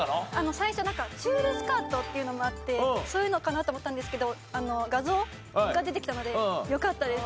最初チュールスカートっていうのもあってそういうのかなと思ったんですけど画像が出てきたのでよかったです。